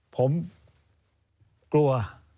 ผมกลัว